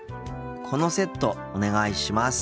このセットお願いします。